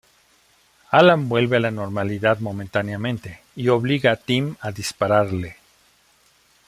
Alan vuelve a la normalidad momentáneamente y obliga a Tim a dispararle.